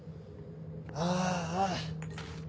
ああ。